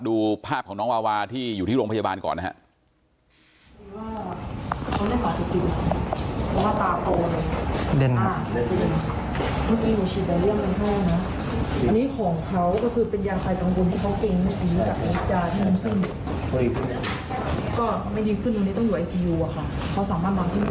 ดูภาพของน้องวาวาที่อยู่ที่โรงพยาบาลก่อนนะครับ